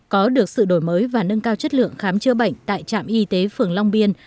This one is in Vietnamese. có được sự đổi mới và nâng cao chất lượng khám chữa bệnh tại trạm y tế phường long biên